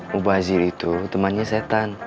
mubazir itu temannya setan